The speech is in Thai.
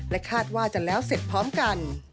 คาดว่าจะแล้วเสร็จพร้อมกัน